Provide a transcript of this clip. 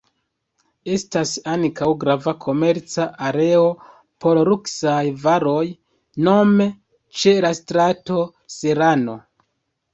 Estas ankaŭ grava komerca areo por luksaj varoj, nome ĉe la strato Serrano.